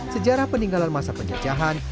sejarah peninggalan masa penjejahan